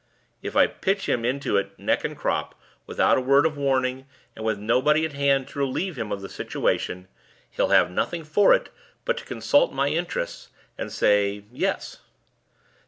If I pitch him into it neck and crop, without a word of warning and with nobody at hand to relieve him of the situation, he'll have nothing for it but to consult my interests, and say 'Yes.